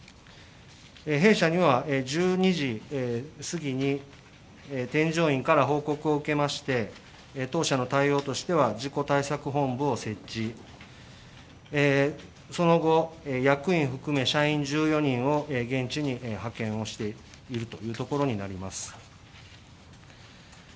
弊社には１２時すぎに添乗員から報告を受けまして当社の対応としては、事故対策本部を設置、その後、役員含め社員１４人を現地に派遣をしているところになります。